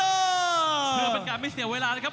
เพื่อเป็นการไม่เสียเวลานะครับ